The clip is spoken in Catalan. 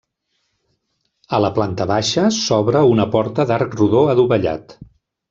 A la planta baixa s'obre una porta d'arc rodó adovellat.